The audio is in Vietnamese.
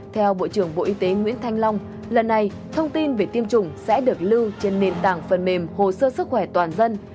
theo bộ trưởng bộ y tế nguyễn thanh long lần này thông tin về tiêm chủng sẽ được lưu trên nền tảng phần mềm hồ sơ sức khỏe toàn dân